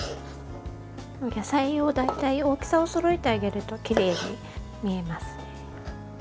野菜は大体大きさをそろえてあげるときれいに見えます。